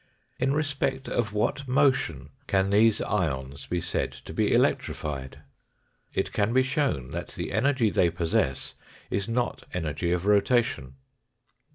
In respect of what motion can these ions be said to be electrified ? It can be shown that the energy they possess is not energy of rotation.